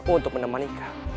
untuk menemani kau